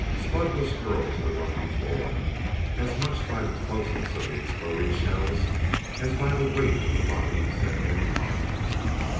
Spud was hurled to the rocky floor, as much by the closeness of the exploding shells as by the weight of the bodies that came upon him.